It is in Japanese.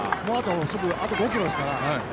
あと５ｋｍですから。